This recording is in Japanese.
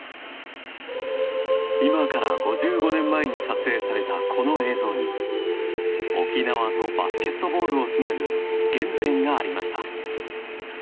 今から５５年前に撮影されたこの映像に沖縄とバスケットボールをつなぐ原点がありました。